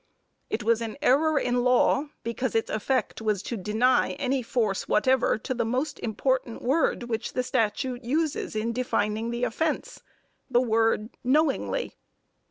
It was an error in law, because its effect was to deny any force whatever to the most important word which the statute uses in defining the offense the word "knowingly."